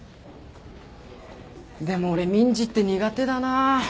でも俺民事って苦手だな。